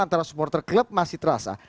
antara supporter klub masih terasa